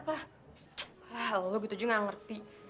wah lu gitu aja nggak ngerti